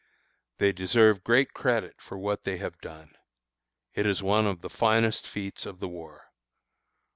They deserve great credit for what they have done. It is one of the finest feats of the war.